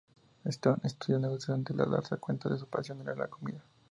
Stone estudió Negocios antes de darse cuenta que su pasión era la comida.